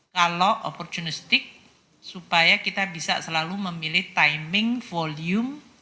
kalau opportunistic supaya kita bisa selalu memilih timing volume